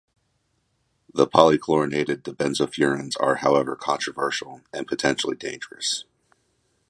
The polychlorinated dibenzofurans are however controversial and potentially dangerous.